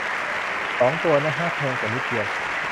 สองตัว นะฮะ แพงกว่านิดเดียว